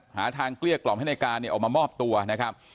หาทางเกลี้ยกล่อมให้ในการเนี่ยออกมามอบตัวนะครับ